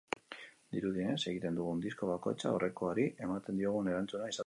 Dirudienez, egiten dugun disko bakoitza aurrekoari ematen diogun erantzuna izaten da.